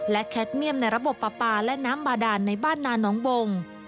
และแคทเมี่ยมในระบบปลาปลาและน้ำบาดานในบ้านนาน้องบง